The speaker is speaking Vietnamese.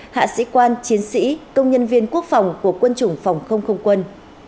hạ sĩ quan chiến sĩ công nhân viên quốc phòng của quân chủng phòng không không quân